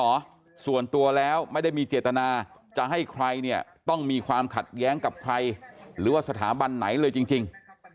ส่วนตัวแล้วไม่ได้มีเจตนาจะให้ใครเนี่ยต้องมีความขัดแย้งกับใครหรือว่าสถาบันไหนเลยจริง